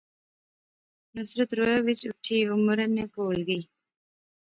نصرت رووہے وچ اوٹھی عمرانے کول گئی